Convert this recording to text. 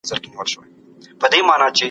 کله چي ما مرسته غوښته، ښه خلک راغلل.